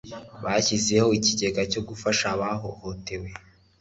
Bashyizeho ikigega cyo gufasha abahohotewe.